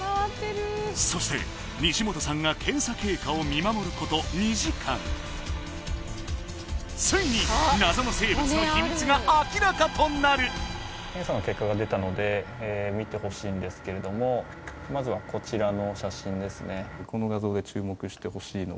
そして西本さんが検査経過を見守ること２時間ついに検査の結果が出たので見てほしいんですけれどもまずはこちらの写真ですね